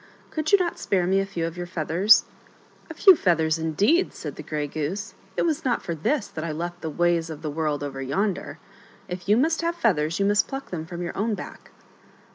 Could you not spare me a few of your feathers?" " A few feathers indeed !" said the Grey Goose, " it was not for this that I left the ways of the world over yonder. If you must have feathers you must pluck them from your own back."